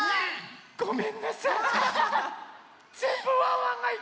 ごめんなさい。